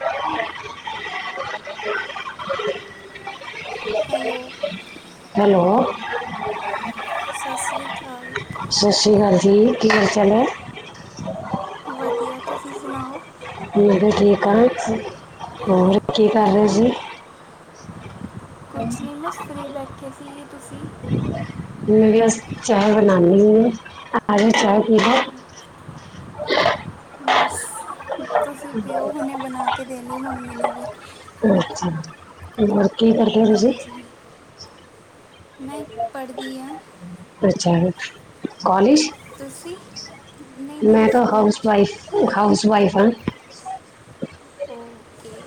ਹ hello [unintelligible] hello ਸਤਿ ਸ੍ਰੀ ਅਕਾਲ ਸਤਿ ਸ਼੍ਰੀ ਅਕਾਲ ਜੀ, ਕੀ ਹਾਲ ਚਾਲ ਹੈ? ਵਧੀਆ, ਤੁਸੀਂ ਸੁਣਾਓ? [unintelligible] ਹੋਰ ਕੀ ਕਰ ਰਹੀ ਸੀ? ਕੁੱਛ ਨਹੀਂ, ਬਸ ਫਰੀ ਬੈਠੇ ਸੀ ਤੁਸੀਂ? ਮੈਂ ਵੀ ਬਸ ਚਾਹ ਬਣਾਦੀ ਹਾਂ ਆਜੋ ਚਾਹ ਪੀ ਲਓ। ਬਸ ਤੁਸੀਂ ਪੀਓ ਹੁਣੇ ਬਣਾ ਕੇ ਦੇਣੀ ਮੰਮੀ ਨੂੰ ਵੀ ਅੱਛਾ, ਹੋਰ ਕੀ ਕਰਦੇ ਹੋ ਤੁਸੀ? ਹਾਂਜੀ ਮੈਂ ਪੜ੍ਹਦੀ ਹਾਂ। ਅੱਛਾ, ਕਾਲਜ ਤੁਸੀਂ ਨਹੀਂ ਮੈਂ ਨਹੀਂ ਤਾਂ ਸਕੂਲ ਹਾਊਸ 'ਚ ਵਾਈਫ ਹਾਊਸ ਵਾਈਫ ਹਾਂ। ਓਕੇ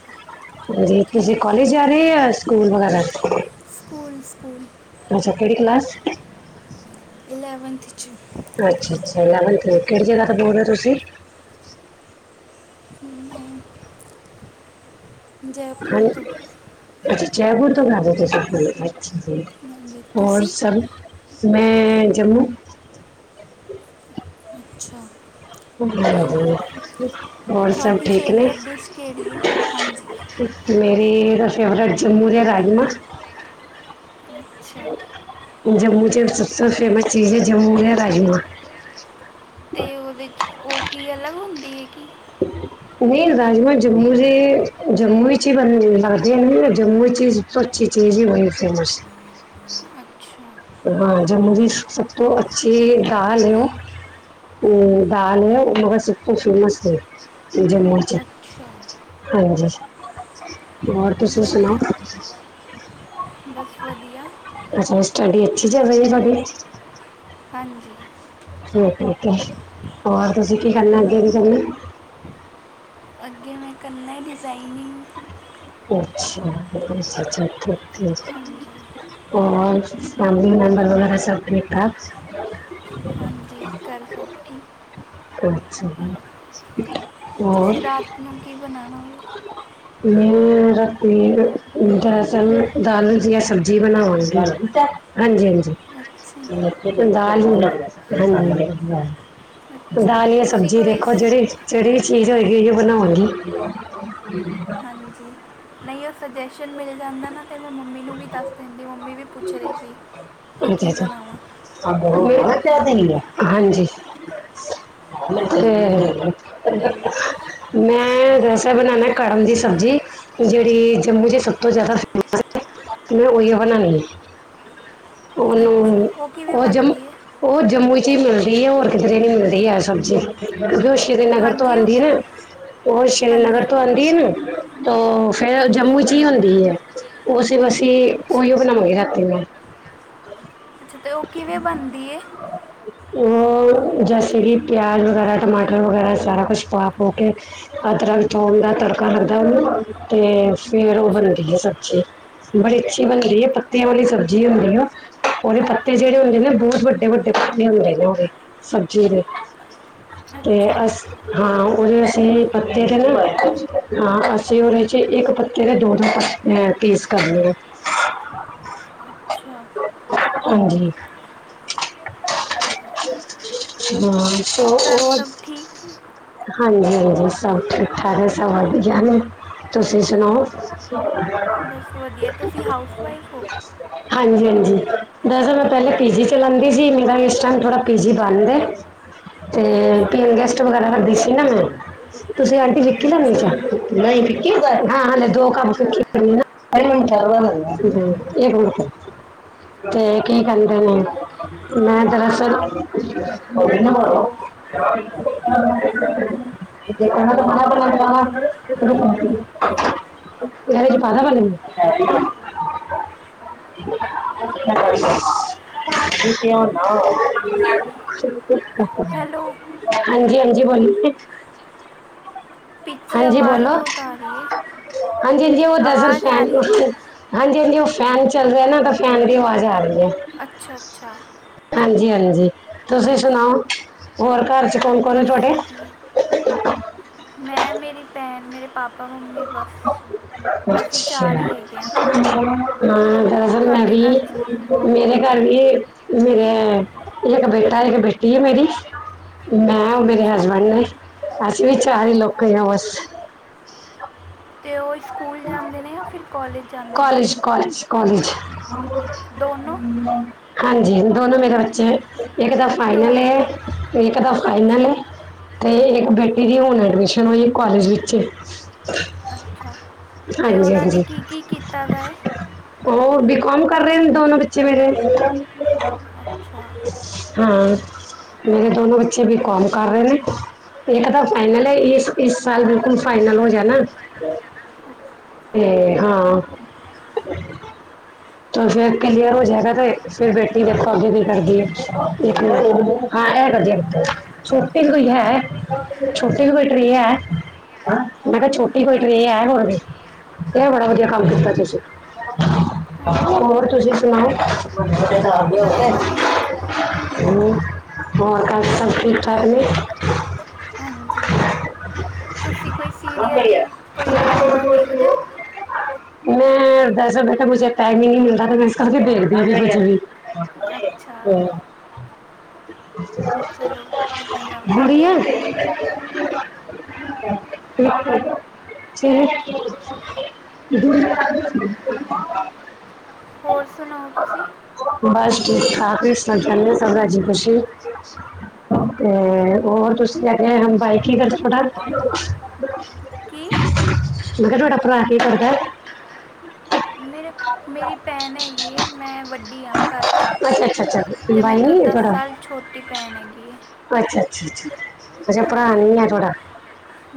ਹਾਂਜੀ, ਤੁਸੀਂ ਠੀਕ ਕਾਲਜ ਆ ਜਾ ਰਹੇ ਜਾਂ ਸਕੂਲ ਵਗੈਰਾ। School, school. ਅੱਛਾ, ਕਿਹੜੀ ਕਲਾਸ ਚ? ਇਲੇਵਨਥ ਚੱ ਅੱਛਾ, ਅੱਛਾ ਇਲੇਵਨਥ ਕਿਹੜੀ ਜਗਾ ਤੋਂ ਬੋਲ ਰਹੇ ਹੋ ਤੁਸੀਂ? ਮੈਂ ਜੈਪੁਰ ਤੋਂ ਹਾਂਜੀ, ਅੱਛਾ ਜੈਪੁਰ ਤੋਂ [unintelligible] ਹਾਂਜੀ ਹੋਰ ਤੁਸੀਂ ਸਬ ਮੈਂ ਜੰਮੂ। ਅੱਛਾ ਹਾਂਜੀ, ਹੋਰ ਸਭ ਤੁਹਾਡੀ ਠੀਕ ਨੇ ਫੇਵਰੇਟ ਡਿਸ਼ ਕਿਹੜੀ ਹੈ ਹਾਂਜੀ ਮੇਰੀ ਤਾਂ ਫੇਵਰੇਟ ਜੰਮੂ ਦੇ ਰਾਜਮਾਂਹ ਅੱਛਾ ਜੰਮੂ ਚੱ ਸਭ ਤੋਂ ਫੇਮਸ ਚੀਜ਼ ਹੈ ਜੰਮੂ ਦੇ ਰਾਜਮਾਂਹ ਤੇ ਉਹਦੇ 'ਚ, ਉਹ ਕੀ ਅਲੱਗ ਹੁੰਦੀ ਹੈ ਨਹੀਂ ਰਾਜਮਾਂਹ ਜੰਮੂ ਦੇ ਜੰਮੂ ਵਿੱਚ ਹੀ ਬਣ ਅੱਛਾ ਲਾਗਦੇ, ਜੰਮੂ ਵਿੱਚ ਹੀ ਸਭ ਤੋਂ ਅੱਛੀ ਚੀਜ਼ ਹੀ ਵਹੀ ਫੇਮਸ ਹਾਂ, ਜੰਮੂ ਦੀ ਸਭ ਤੋਂ ਅੱਛੀ ਦਾਲ ਹੈ ਉਹ ਦਾਲ ਹੈ, ਉਹ ਮਗਰ ਚੀਨੇ ਛੋਲੇ ਫੇਮਸ ਜੰਮੂ ਚੱ ਅੱਛਾ ਹਾਂਜੀ, ਹੋਰ ਤੁਸੀਂ ਸੁਣਾਓ ਵਧੀਆ ਬਸ ਵਧੀਆ ਅੱਛਾ, ਸਟੱਡੀ ਅੱਛੀ ਚੱਲ ਰਹੀ ਹੈ ਸਾਡੀ ਹਾਂਜੀ ਠੀਕ, ਹੋਰ ਤੁਸੀਂ ਕੀ ਕਰਨਾ ਅੱਗੇ ਕੀ ਕਰਨਾ ਅੱਗੇ ਮੈਂ ਕਰਨਾ ਡਿਜ਼ਾਇਨੀਂਗ ਅੱਛਾ ਚ ਚਾ ਤ ਤ ਹਾਂਜੀ [unintelligible] ਹੋਰ, ਫੈਮਲੀ ਮੈਂਬਰ ਵਗੈਰਾ ਸਭ ਠੀਕ ਠਾਕ ਕਰੱਲ [unintelligible] ਅੱਛਾ ਜੀ ਹ [unintelligible] ਤੁਸੀਂ ਰਾਤ ਨੂੰ ਕੀ ਬਣਾਉਣਾ ਏ ਮੈਂ ਰ ਦਰਅਸਲ ਅੱਛਾ ਦਲ ਜਿਹੀ ਸਬਜ਼ੀ ਬਣਾਵ [unintelligible] ਅੱਛਾ ਹਾਂਜੀ -ਹਾਂਜੀ, ਦਾਲ ਹੀ ਹਾਂਜੀ ਦਾਲ ਹੀ ਤੁਸੀਂ ਸਬਜ਼ੀ ਕੋਈ ਦੇਖੋ ਸ- ਜਿਹੜੀ, ਜਿਹੜੀ ਚੀਜ਼ ਹੋਏਗੀ ਉਹ ਬਣਾਉਗੀ ਹਾਂਜੀ ਉਹ ਸਜੈਸ਼ਨ ਮਿਲ ਜਾਂਦਾ ਨਾ ਫਿਰ ਮੈਂ ਮੰਮੀ ਨੂੰ ਵੀ ਦੱਸ ਦਿੰਦੀ, ਮੰਮੀ ਵੀ ਪੁੱਛ ਪੁੱਛ ਰਹੀਂ ਸੀ! ਕਿ ਕੀ ਬਣਾਵਾਂ? ਹਾਂਜੀ ਦਿਨ ਆ ਹਾਂਜੀ ਤੇ ਹਾਂਜੀ ਮੈਂ ਰਸਾ ਬਣਾਣਾ ਕੜਮ ਦੀ ਸਬਜ਼ੀ, ਜਿਹੜੀ ਜੰਮੂ 'ਚ ਸਭ ਤੋਂ ਜ਼ਿਆਦਾ ਫੇਮਸ ਮੈਂ ਉਹੀਓ ਬਣਾਣੀ ਆ, ਅੱਛਾ ਉਹਨੂੰ ਕਿਵੇਂ ਉਹ ਜਮ ਬਣਦੀ ਹੈ ਉਹ ਜੰਮੂ 'ਚ ਹੀ ਮਿਲਦੀ ਹੈ, ਹੋਰ ਕਿਧਰੇ ਨੀ ਮਿਲਦੀ ਹੈ ਸਬਜ਼ੀ ਸ਼੍ਰੀਨਗਰ ਤੋਂ ਹਾਂਜੀ ਉਹ ਆਉਂਦੀ ਨਾ, ਉਹ ਸ਼੍ਰੀਨਗਰ ਹਾਂਜੀ ਤੋਂ ਆਉਂਦੀ ਨਾ, ਤੋ ਫੇਰ ਹਾਂਜੀ ਜੰਮੂ 'ਚ ਹੀ ਹੁੰਦੀ ਹੈ, ਉਹ ਅਸੀਂ ਅੱਛਾ ਓਹੀਓ ਬਣਾਵਾਂਗੇ ਰਾਤੀ ਮੈਂ ਅੱਛਾ ਤੇ ਉਹ ਕਿਵੇਂ ਬਣਦੀ ਹੈ? ਉਹ, ਜੈਸੇ ਕਿ ਪਿਆਜ਼ ਵਗੈਰਾ, ਟਮਾਟਰ ਵਗੈਰਾ ਸਾਰਾ ਕੁਛ ਪਾ ਪੋ ਕੇ ਅਦਰਕ ਥੋਮ ਦਾ ਤੜਕਾ ਲਗਦਾ, ਤੇ ਫੇਰ ਉਹ ਅੱਛਾ ਬਣਦੀ ਹੈ ਸਬਜ਼ੀ ਬੜੀ ਅੱਛੀ ਬਣਦੀ ਹੈ, ਪੱਤਿਆਂ ਵਾਲੀ ਸਬਜ਼ੀ ਹੁੰਦੀ ਉਹ। ਉਹਦੇ ਪੱਤੇ ਜਿਹੜੇ ਹੁੰਦੇ ਨੇ, ਬਹੁਤ ਵੱਡੇ- ਵੱਡੇ ਪੱਤੇ ਹੁੰਦੇ ਨੇ, ਉਹਦੇ ਸਬਜ਼ੀ ਦੇ ਤੇ ਅੱਛਾ ਅਸ ਹਾਂ ਉਹਦੇ ਅਸੀਂ ਪੱਤੇ ਤੇ ਨਾ, ਹਾਂ ਅਸੀਂ ਉਹਦੇ 'ਚ ਇੱਕ ਪੱਤੇ ਦੇ ਦੋ -ਦੋ ਪ ਇਹ ਪੀਸ ਕਰਨੀ ਆ। ਅੱਛਾ ਹਾਂਜੀ। ਹਾਂ ਤੇ ਸੋ ਘਰ ਉਹ ਸਭ ਠੀਕ ਹਾਂਜੀ ਹਾਂਜੀ ਸਭ ਠੀਕ ਠਾਕ ਹੈ, ਸਭ ਵਧੀਆ ਨੇ। ਤੁਸੀਂ ਸੁਣਾਓ! ਬਸ ਵਧੀਆ ਤੁਸੀਂ ਹਾਊਸ ਵਾਈਫ ਹੋ ਹਾਂਜੀ, ਹਾਂਜੀ ਦਸਰਸਲ ਮੈਂ ਪਹਿਲੇ ਪੀਜੀ ਚਲਾਉਦੀ ਸੀ। ਮੇਰਾ ਇਸ ਟਾਈਮ ਥੋੜਾ ਪੀਜੀ ਬੰਦ ਐ। ਤੇ ਅੱਛਾ ਪੀਨ ਗੈਸਟ ਵਗੈਰਾ ਕਰਦੀ ਸੀ ਨਾ ਮੈਂ। ਤੁਸੀਂ ਆਂਟੀ ਵਿਕੀ ਲੈਦੇ ਅੱਛਾ ਹਾਂ ਹਲੇ ਦੋ ਕੰਮ ਵਿ ਲ ਅਰੇ ਓਨੂੰ ਅਥਾਰਵਾ ਲਗਾ ਏ ਏਕ ਮਿੰਟ ਤੇ ਕੀ ਕਹਿੰਦੇ ਨੇ? ਮੈਂ ਦਰਅਸਲ ਮਣਾ ਕ ਯਰੇ ਚ ਪਾਦਾ ਬ [inaudible] ਸ਼ ਨਾ [inaudible] ਹੈਲੋ ਹਾਂਜੀ ਹਾਂਜੀ ਬੋਲੋ ਪਿੱਛੇ ਹਾਂਜੀ ਆਵਾਜ਼ ਬੋਲੋ, ਬਹੁਤ ਆ ਰਹੀ ਹੈ ਹਾਂਜੀ -ਹਾਂਜੀ, ਉਹ ਦੱਰਅਸਲ ਆਵਾਜ਼ ਸੈ ਆ ਰਹੀ ਬਹੁਤ ਹਾਂਜੀ, ਹਾਂਜੀ ਉਹ ਫੈਨ ਚੱਲ ਰਿਹਾ ਨਾ। ਤਾਂ ਫੈਨ ਦੀ ਆਵਾਜ਼ ਆ ਰਹੀ ਹੈ। ਅੱਛਾ ਅੱਛਾ। ਹਾਂਜੀ ਹਾਂਜੀ ਤੁਸੀਂ ਸੁਣਾਓ ਹੋਰ ਘਰ ਚ ਕੌਣ ਕੌਣ ਬਸ ਤੁਹਾ ਮੈਂ, ਮੇਰੀ ਭੈਣ, ਮੇਰੇ ਪਾਪਾ ਮੰਮੀ ਬਸ ਅਸੀਂ ਚਾਰ ਹੀ ਹੈਗੇ ਹਾਂ। ਹਾ ਦਰਅਸਲ ਮੈਂ ਵੀ। 'ਚ ਮੇਰੇ ਘਰ ਵੀ, ਮੇਰੇ ਇੱਕ ਬੇਟਾ, ਇੱਕ ਬੇਟੀ ਆ ਮੇਰੀ। ਮੈਂ ਔਰ ਮੇਰੇ ਅੱਛਾ ਹਸਬੈਂਡ ਨੇ ਅਸੀਂ ਵੀ ਚਾਰੇ ਹੀ ਲੋਕ ਹੀ ਆ ਬੱਸ। ਅਤੇ ਉਹ ਸਕੂਲ ਜਾਂਦੇ ਨੇ ਜਾਂ ਫਿਰ ਕੋਲਜ ਜਾਂਦੇ ਨੇ! ਇਸ ਕੋਲਜ ਕਾਲਜ ਦੋਨੋਂ ਹਾਂਜੀ ਦੋਨੋ ਮੇਰੇ ਬੱਚੇ ਇੱਕ ਦਾ ਤੋਂ ਫਾਈਨਲ ਏ, ਇੱਕ ਦਾ ਫਾਈਨਲ ਅੱਛਾ ਅਤੇ ਇੱਕ ਬੇਟੀ ਦੀ ਹੁਣ ਐਡਮਿਸ਼ਨ ਹੋਈ ਕਾਲਜ ਵਿੱਚ। ਅੱਛਾ ਤੇ ਹਾਂਜੀ, ਉਹਨਾਂ ਨੇ ਹਾਂਜੀ। ਕੀ ਕੀ ਕੀਤਾ ਦਾ ਹੈ ਉਹ ਬੀ ਕੌਮ ਕਰ ਰਹੇ ਦੋਨੋ ਬੱਚੇ ਮੇਰੇ। ਅੱਛਾ ਹਾਂ ਮੇਰੇ ਦੋਨੋ ਬੱਚੇ ਬੀ ਕੌਮ ਕਰ ਰਹੇ ਨੇ ਇਹ ਤਾਂ ਤਾਂ ਫਾਈਨਲ ਹੈ, ਇਸ ਇਸ ਸਾਲ ਬਿਲਕੁਲ ਫਾਈਨਲ ਹੋ ਜਾਣਾ। ਹਾਂ [inaudible] ਫਿਰ ਕਲੀਅਰ ਹੋ ਜਾਏਗਾ ਤੇ ਫਿਰ ਬੇਟੀ ਦੇਖੋ ਅੱਗੇ ਨਹੀਂ ਕਰਦੀਏ। ਹਾਂ ਇਹ ਵਧੀਆ ਕੀਤਾ ਜੇ ਛੋਟੀ ਵੀ ਕੋਈ ਹੈ ਛੋਟੀਵੀ ਬੈਟਰੀ ਹੈ। ਮੈਂ ਕਿਹਾ ਛੋਟੀ ਕੋਈ ਟਰੇ ਹੈ ਹੋਰ ਦੀ। ਇਹ ਬੜਾ ਵਧੀਆ ਕੰਮ ਕੀਤਾ ਤੁਸੀਂ। ਹਾਂਜੀ ਹੋਰ ਤੁਸੀਂ ਸੁਣਾਓ। ਬਸ ਵਧੀਆ ਹੋਰ ਕੰਮ ਸਭ ਠੀਕ ਠਾਕ ਨੇ। ਹਾਂਜੀ ਤੁਸੀਂ ਕੋਈ ਸੀਰੀਅਲ ਕੋਈ ਡਰਾਮਾ ਵੇਖਦੇ ਹੋ। ਮੈਂ ਦਰਅਸਲ ਬੇਟਾ ਮੁਜੇ ਟਾਈਮ ਹੀ ਨਹੀਂ ਮਿਲਦਾ ਮੈਂ ਇਸ ਕਰਕੇ ਦੇਖਦੀ ਕੁਛ ਵੀ ਅੱਛਾ ਹੂੰ। ਚਲੋ ਵਧੀਆ ਬੁੜੀਆਂ ਜੀ। [inaudible] ਹੋਰ ਸੁਣਾਓ ਤੁਸੀਂ! ਬਸ ਠੀਕ ਠਾਕ ਵੀ ਸਭ ਚਾਹੇ ਹ ਸਭ ਰਾਜ਼ੀ ਖੁਸ਼ੀ। ਤੇ ਹੋਰ ਤੁਸੀਂ ਕ ਕੇ ਹ ਬਾਈਕ ਕਰਦੇ ਹਾਂਡਾ। ਕੀ ਮੈਂ ਕਿਹਾ ਤੁਹਾਡਾ ਭਰਾ ਕੀ ਕਰਦਾ। ਮੇਰੇ ਮੇਰੀ ਭੈਣ ਹੈਗੀ ਹੈ ਮੈਂ ਵੱਡੀ ਹਾਂ ਘਰ 'ਚ। ਅਤੇ ਮੇਰੇ ਤੋਂ ਦਸ ਸਾਲ ਛੋਟੀ ਭੈਣ ਹੈਗੀ ਹੈ। ਅੱਛਾ- ਅੱਛਾ, ਅੱਛਾ ਭਰਾ ਹਾਂਜੀ ਨੀ ਆ ਥਹਾਡਾ।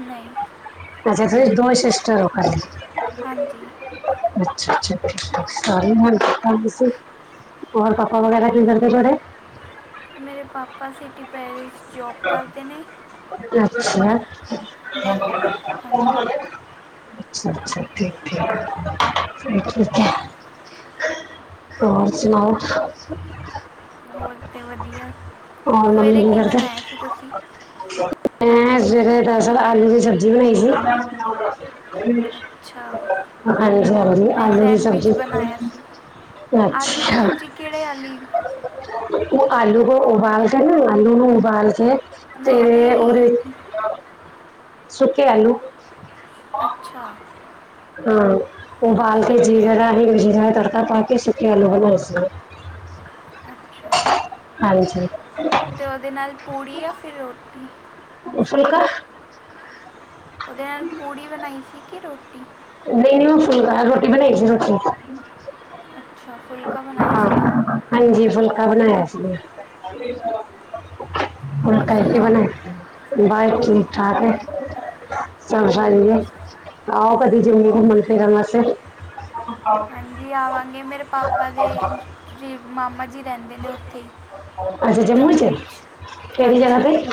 ਨਹੀਂ ਅੱਛਾ ਤੁਸੀ ਦੋ ਸਿਸਟਰ ਰੋ ਘਕ ਚ। ਹਾਂਜੀ ਅੱਛਾ- ਅੱਛਾ ਠੀਕ ਸਾਰੀ ਓਮਰ ਤਾਂਹੀ ਸੀ। ਹੋਰ ਪਾਪਾ ਵਗੈਰਾ ਕੀ ਕਰਦੇ ਤੁਹਾਡੇ। ਮੇਰੇ ਪਾਪਾ ਸਿਟੀ ਪੈਲੇਸ ਚ ਜੋਬ ਕਰਦੇ ਨੇ। ਅੱਛਾ। ਵਰ ਅੱਛਾ- ਹਾਂਜੀ ਅੱਛਾ ਠੀਕ- ਠੀਕ ਠੀ ਹੋਰ ਸੁਣਾਓ? ਹੋਰ ਤਾਂ ਵਧੀਆ। ਹੋਰ ਮੰਮੀ ਸਵੇਰੇ ਕੀ ਕਰਦੇ ਨੇ? ਬਣਾਇਆ ਸੀ ਤੁਸੀਂ ਹਾਂਜੀ ਦਰਅਸਲ ਆਲੂ ਦੀ ਸਬਜ਼ੀ ਬਣਾਈ ਸੀ ਨਾ। ਅੱਛਾ ਹਾਂਜੀ- ਹਾਂਜੀ ਮੈਂ ਆਲੋ ਦੀ ਸੈਂਡਵਿਚ ਸਬਜ਼ੀ। ਬਣਾਇਆ ਸੀ ਆਲੂ ਦੀ ਅੱਛਾ ਸਬਜ਼ੀ ਕਿਹੜੇ ਆਲੀ। ਉਹ ਆਲੂ ਨੂੰ ਉਬਾਲ ਕੇ ਨਾ- ਆਲੂ ਨੂੰ ਉਬਾਲ ਕੇ। ਤੇ ਨਹੀਂ ਉਹਦੇ ਨਹੀਂ ਵੀਚ ਸੁੱਕੇ ਆਲੂ। ਅੱਛਾ। ਹਾਂ ਉਹਬਾਲ ਕੇ ਸੁੱਕੇ ਜੀਰਾ ਆਲੂ ਰਾਹੀਂ ਜੀਰਾ ਤੜਕਾ ਪਾ ਕੇ ਸੁਖੇ ਆਲੂ ਬਣਾਏ ਸੀ। ਹ ਹਾਂਜੀ। ਤੇ ਉਹਦੇ ਨਾਲ ਪੂੜੀ ਆ ਫੇਰ ਰੋਟੀ? ਉਸ ਫੂਲਕਾ। ਉਹਦੇ ਨਾਲ ਪੂੜੀ ਬਣਾਈ ਸੀ ਕਿ ਰੋਟੀ? ਨਹੀਂ- ਨਹੀਂ ਉਹ ਫੁੱਲਕਾ ਰ ਰੋਟੀ ਬਣਾਈ ਸੀ ਰੋਟੀ। ਅਜ ਫੁਲਕਾ ਬਣਾਇਆ ਹਾਂ ਸੀਗਾ। ਹਾਂਜੀ ਫੁਲਕਾ ਬਣਾਇਆ ਸੀ ਆ। ਹੋਰ ਕੱਲ ਕੀ ਬਣਾਇਆ ਸੀ, ਬੱਸ ਠੀਕ- ਠਾਕ ਹੈ। ਸਭ ਬਣ ਗਈ, ਆਓ ਕਦੀ ਜੰਮੂ ਘੁੰਮਣ ਫਿਰਨ ਵਾਸਤੇ। ਹਾਂਜੀ ਆਵਾਂਗੇ, ਮੇਰੇ ਪਾਪਾ ਦੇ ਵੀ ਮਾਮਾ ਜੀ ਰਹਿੰਦੇ ਨੇ ਉੱਥੇ। ਅੱਛਾ ਮੁੜ ਜੰਮੂ ਚ, ਕਿਹੜੀ ਹਾਂਜੀ ਜਗ ਤੇ।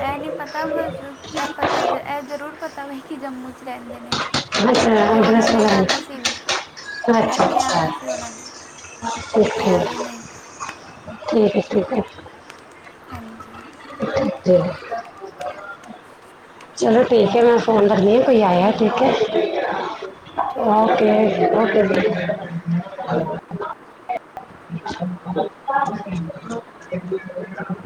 ਇਹ ਨਹੀਂ ਪਤਾ ਵਸ, ਇਹ ਪਤਾ ਇਹ ਜ਼ਰੂਰ ਪਤਾ ਵੈ ਕਿ ਜੰਮੂ 'ਚ ਰਹਿੰਦੇ ਨੇ। ਅੱਛਾ ਤੇ ਉਹਨਾਂ ਐਡਰੈਸ ਨੇ ਵਗੈਰਾ ਆਣਾ ਸੀ ਵੀ ਨਹੀਂ ਅੱਛਾ- ਇੱਥੇ ਅੱਛਾ। ਆਣਾ ਸੀ ਉਹਨਾਂ ਨੇ ਠੀਕ ਤੇ ਆਏ ਨਹੀਂ ਹੈ- ਠੀਕ ਹੈ। ਹਾਂਜੀ [unintelligible] ਚਲੋ ਠੀਕ ਹੈ ਮੈਂ ਫੋਨ ਰੱਖਣੀ ਆ ਕੋਈ ਆਇਆ ਠੀਕ ਹੈ। ਠੀਕ ਹੈ ਓਕੇ। [unintelligible] [unintelligible]